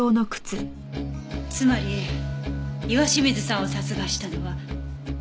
つまり岩清水さんを殺害したのは女性。